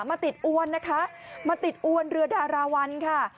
มาติดอ้วนเรือดารมณ์ค่ะ